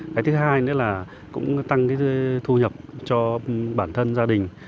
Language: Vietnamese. cái thứ hai nữa là cũng tăng cái thu nhập cho bản thân gia đình